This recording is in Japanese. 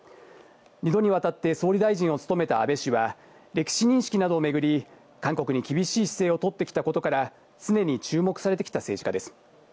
２度にわたって、総理大臣を務めた安倍氏は、歴史認識などを巡り、韓国に厳しい姿勢を取ってきたことから、常に注目されてきた政治家です。